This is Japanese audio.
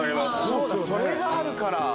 そうだそれがあるから。